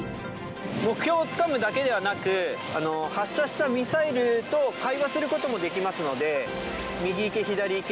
目標をつかむだけではなく、発射したミサイルと会話することもできますので、右行け、左行け